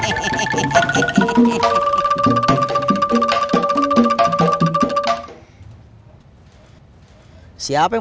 mingir siapa yang menang